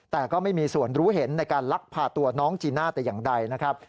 แต่ก็ไม่มีส่วนรู้เห็นในการลักพาตัวน้องจีน่าแต่อย่างใดนะครับ